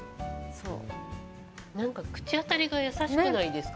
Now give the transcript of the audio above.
なんか口当たりが優しくないですか？